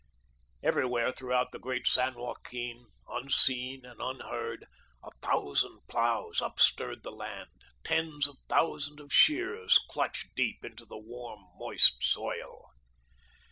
Everywhere throughout the great San Joaquin, unseen and unheard, a thousand ploughs up stirred the land, tens of thousands of shears clutched deep into the warm, moist soil.